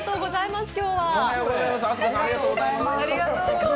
今日はありがとうございます。